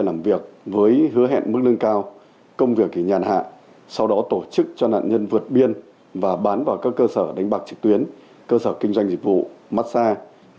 làm việc với hứa hẹn mức lương cao công việc nhàn hạ sau đó tổ chức cho nạn nhân vượt biên và bán vào các cơ sở đánh bạc trực tuyến cơ sở kinh doanh dịch vụ massage